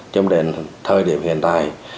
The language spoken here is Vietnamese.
trong thời điểm hiện tại